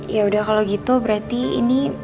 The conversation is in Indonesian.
yaudah kalau gitu berarti ini